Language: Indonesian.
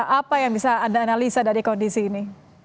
apa yang bisa anda analisa dari kondisi ini